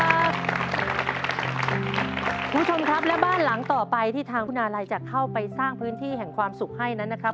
คุณผู้ชมครับและบ้านหลังต่อไปที่ทางคุณอาลัยจะเข้าไปสร้างพื้นที่แห่งความสุขให้นั้นนะครับ